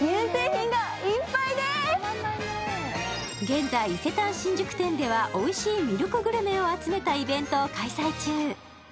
現在、伊勢丹新宿店ではおいしいミルクグルメを集めたイベントを開催中。